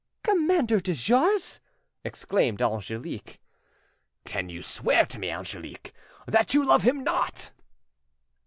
"Commander de Jars!" exclaimed Angelique. "Can you swear to me, Angelique, that you love him not?"